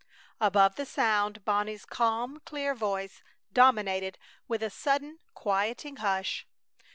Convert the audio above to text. Above the sound, Bonnie's calm, clear voice dominated with a sudden quieting hush.